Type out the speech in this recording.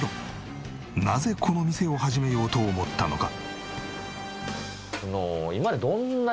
なぜこの店を始めようと思ったのか？